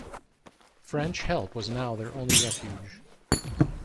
French help was now their only refuge.